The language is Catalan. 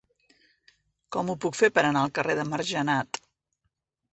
Com ho puc fer per anar al carrer de Margenat?